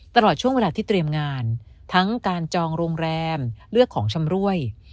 ตลอดช่วงเวลาที่เตรียมงานทั้งการจองโรงแรมเลือกของชำรวย